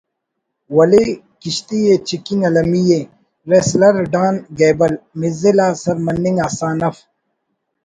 ولے کشتی ءِ چکنگ المیءِ “ (ریسلر ڈان گیبل) مزل آ سر مننگ آسان اف